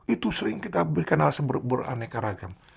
itu sering kita berikan alasan beraneka ragam